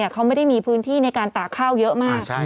เขาไม่ได้มีพื้นที่ในการตากข้าวเยอะมาก